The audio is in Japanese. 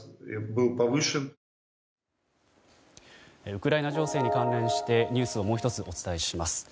ウクライナ情勢に関連してニュースをもう１つお伝えします。